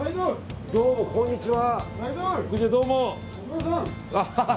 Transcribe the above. どうも、こんにちは。